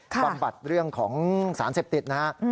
ปรับบัติเรื่องของสารเสพติดนะครับ